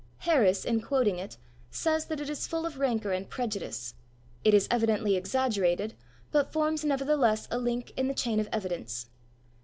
Harris, in quoting it, says that it is full of rancour and prejudice. It is evidently exaggerated, but forms nevertheless a link in the chain of evidence.